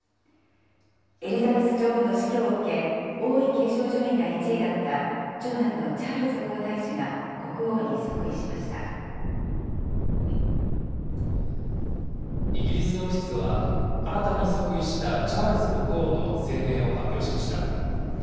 エリザベス女王の死去を受け、王位継承順位が１位だった長男のチャールズ皇太子が国王に即位しイギリス王室は、新たに即位したチャールズ国王の声明を発表しました。